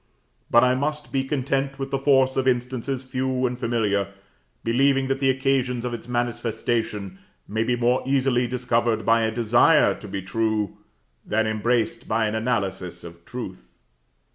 But I must be content with the force of instances few and familiar, believing that the occasions of its manifestation may be more easily discovered by a desire to be true, than embraced by an analysis of truth.